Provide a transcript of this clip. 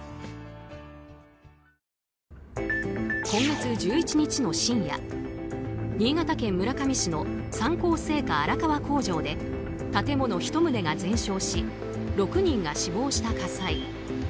今月１１日の深夜新潟県村上市の三幸製菓荒川工場で建物１棟が全焼し６人が死亡した火災。